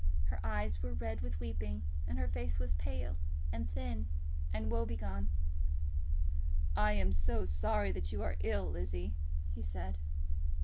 Her eyes were red with weeping, and her face was pale, and thin, and woe begone. "I am so sorry that you are ill, Lizzie," he said.